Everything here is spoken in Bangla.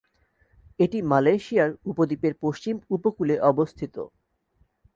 এটি মালয়েশিয়ার উপদ্বীপের পশ্চিম উপকূলে অবস্থিত।